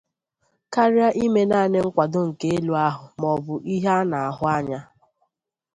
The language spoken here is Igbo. karịa ime naanị nkwado nke elu ahụ maọbụ ihe a na-ahụ anya.